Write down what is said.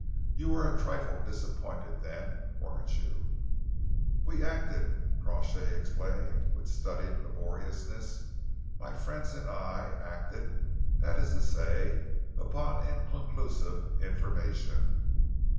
You were a trifle disappointed then, weren't you?" "We acted," Crawshay explained, with studied laboriousness, "my friends and I acted, that is to say upon inconclusive information.